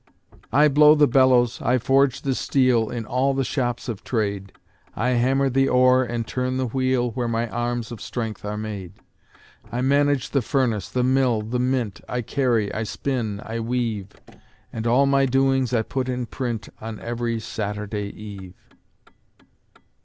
I blow the bellows, I forge the steel, In all the shops of trade; I hammer the ore and turn the wheel Where my arms of strength are made; I manage the furnace, the mill, the mint, I carry, I spin, I weave, And all my doings I put in print On every Saturday eve.